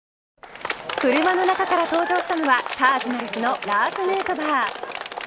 車の中から登場したのはカージナルスのラーズ・ヌートバー。